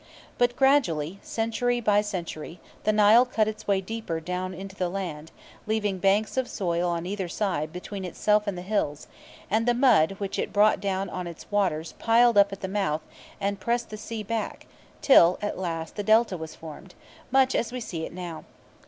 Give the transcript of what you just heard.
But gradually, century by century, the Nile cut its way deeper down into the land, leaving banks of soil on either side between itself and the hills, and the mud which it brought down in its waters piled up at its mouth and pressed the sea back, till, at last, the Delta was formed, much as we see it now.